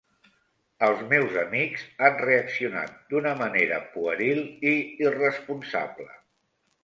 Els meus amics han reaccionat d'una manera pueril i irresponsable.